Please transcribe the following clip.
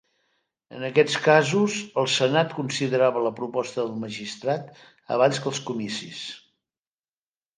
En aquests casos, el Senat considerava la proposta del magistrat abans que els Comicis.